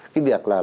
cái việc là